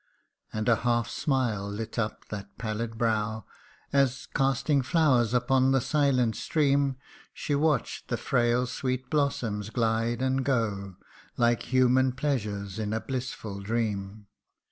And a half smile lit up that pallid brow, As, casting flowers upon the silent stream, She watch'd the frail sweet blossoms glide and go Like human pleasures in a blissful dream.